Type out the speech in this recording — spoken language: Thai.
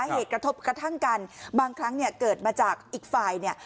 เหตุกระทบกระทั่งกันบางครั้งเนี่ยเกิดมาจากอีกฝ่ายเนี่ย